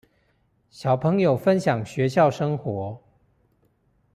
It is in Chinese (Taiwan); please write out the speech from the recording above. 小朋友分享學校生活